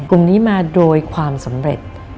กลุ่มนี้มาโดยความสำเร็จ